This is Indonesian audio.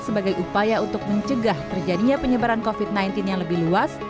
sebagai upaya untuk mencegah terjadinya penyebaran covid sembilan belas yang lebih luas